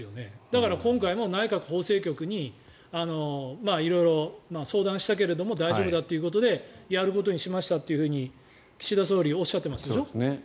だから今回も内閣法制局に色々、相談したけれども大丈夫だということでやることにしましたと岸田総理はおっしゃっていますでしょ？